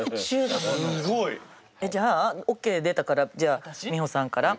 じゃあオッケー出たからじゃあ美穂さんから。